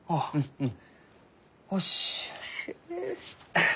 うん。